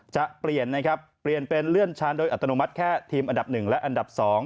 จะเปลี่ยนนะครับเปลี่ยนเป็นเลื่อนชั้นโดยอัตโนมัติแค่ทีมอันดับ๑และอันดับ๒